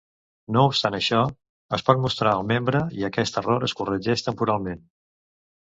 No obstant això, es pot mostrar el membre i aquest error es corregeix temporalment.